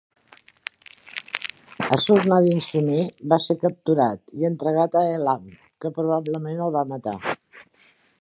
Ashur-nadin-shumi va ser capturat i entregat a Elam, que probablement el va matar.